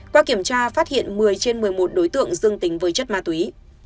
qua kiểm tra phát hiện một mươi trên một mươi một đối tượng dương tính với chất ma túy